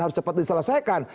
harus cepat diselesaikan